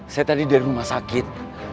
saya tadi dari rumah sakit